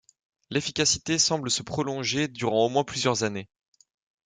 L'efficacité semble se prolonger durant au moins plusieurs années.